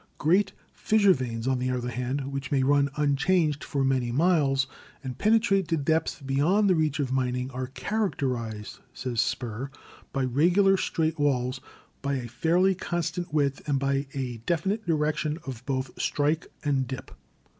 Great fissure veins, on the other hand, which may run unchanged for many miles, and penetrate to depths beyond the reach of mining, are "characterized," says Spurr, ''by regular, straight walls, by a fairly constant width, and by a definite direction of both strike and dip."